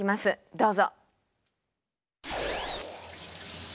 どうぞ。